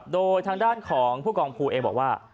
โดยทางด้านของผู้กองภูเองบอกว่า